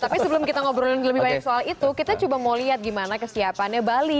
tapi sebelum kita ngobrolin lebih banyak soal itu kita coba mau lihat gimana kesiapannya bali